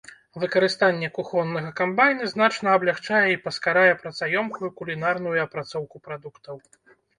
Выкарыстанне кухоннага камбайна значна аблягчае і паскарае працаёмкую кулінарную апрацоўку прадуктаў.